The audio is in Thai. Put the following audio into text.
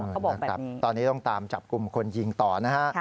นะครับตอนนี้ต้องตามจับกลุ่มคนยิงต่อนะฮะ